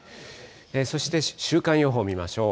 そして週間予報見ましょう。